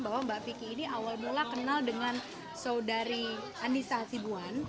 bahwa mbak vicky ini awal dulu lah kenal dengan saudari andisa sibuan